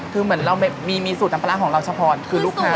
คือเหมือนเรามีสูตรอันตรายของเราเฉพาะคือลูกค้า